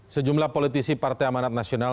sejumlah politisi partai amanat nasional